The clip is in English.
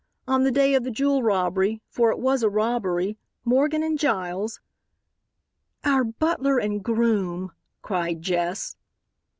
On the day of the jewel robbery, for it was a robbery, Morgan and Giles " "Our butler and groom!" cried Jess.